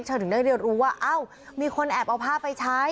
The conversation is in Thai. เธอถึงได้รู้ว่าเอ้ามีคนแอบเอาผ้าไปใช้